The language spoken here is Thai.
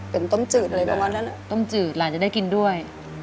เป็นต้มจืดอะไรประมาณนั้นต้มจืดหลานจะได้กินด้วย